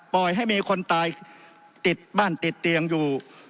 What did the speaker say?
ให้มีคนตายติดบ้านติดเตียงอยู่